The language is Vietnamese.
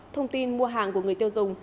thông tin mua hàng của người tiêu dùng